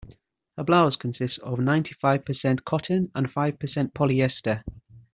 Her blouse consists of ninety-five percent cotton and five percent polyester.